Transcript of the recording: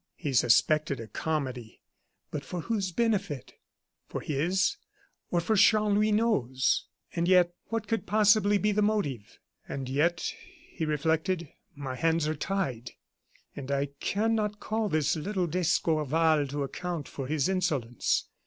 He suspected a comedy, but for whose benefit? For his, or for Chanlouineau's? And yet, what could possibly be the motive? "And yet," he reflected, "my hands are tied; and I cannot call this little d'Escorval to account for his insolence.